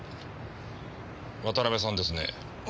渡辺さんですね。